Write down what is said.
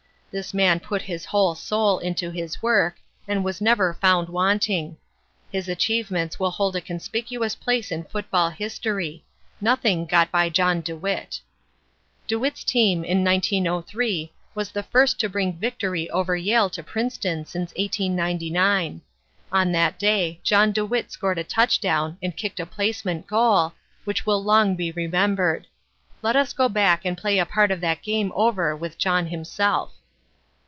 This man put his whole soul into his work and was never found wanting. His achievements will hold a conspicuous place in football history. Nothing got by John DeWitt. DeWitt's team in 1903 was the first to bring victory over Yale to Princeton since 1899. On that day John DeWitt scored a touchdown and kicked a placement goal, which will long be remembered. Let us go back and play a part of that game over with John himself.